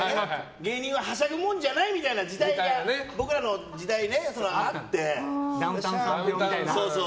芸人は、はしゃぐもんじゃないみたいな時代がダウンタウンさん病みたいな。